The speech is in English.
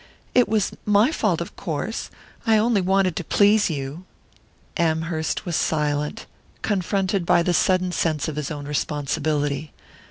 "It was my fault, of course I only wanted to please you " Amherst was silent, confronted by the sudden sense of his own responsibility.